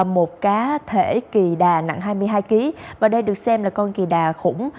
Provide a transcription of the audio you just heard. một cá thể kỳ đà nặng hai mươi hai kg và đây được xem là con kỳ đà khủng